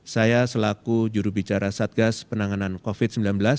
saya selaku jurubicara satgas penanganan covid sembilan belas